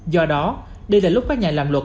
do đó đây là lúc các nhà làm luật